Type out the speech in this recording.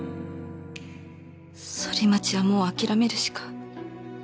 ソリマチはもう諦めるしか